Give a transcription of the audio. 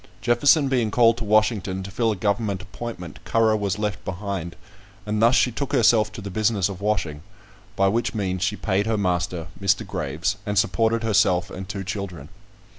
Jefferson being called to Washington to fill a government appointment, Currer was left behind, and thus she took herself to the business of washing, by which means she paid her master, Mr. Graves, and supported herself and two children.